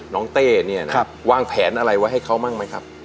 เต้เนี่ยนะครับวางแผนอะไรไว้ให้เขาบ้างไหมครับ